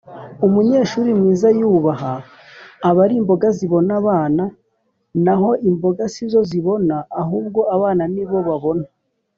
umunyeshuri mwiza yubaha abarimboga zibona abana (hano imboga si zo zibona ahubwo abana nibo babona)